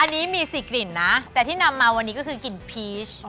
อันนี้มี๔กลิ่นนะแต่ที่นำมาวันนี้ก็คือกลิ่นพีช